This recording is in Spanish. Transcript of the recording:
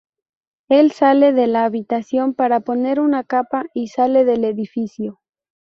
Él sale de la habitación para poner una capa y sale del edificio.